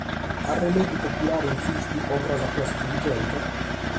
Arrennegu populare ingiustu contra a sa classe dirigente?